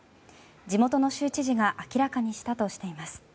地元の州知事が明らかにしたとしています。